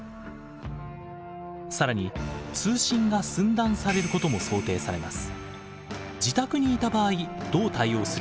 更に通信が寸断されることも想定されます。